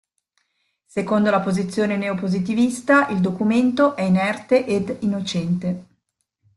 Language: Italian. Secondo la posizione neo-positivista il documento è inerte ed innocente.